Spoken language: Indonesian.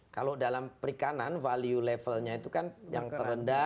kalau dalam perikanan value levelnya itu kan yang terendah